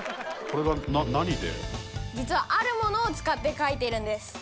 実はあるものを使って描いているんです。